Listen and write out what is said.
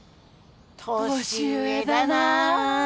年上だな。